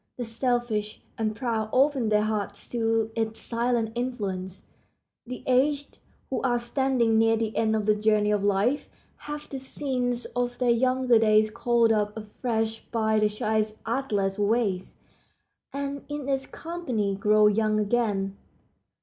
The selfish and proud open their hearts to its silent influence. The aged, who are standing near the end of the journey of life, have the scenes of their younger days called up afresh by the child's artless ways, and in its company grow young again.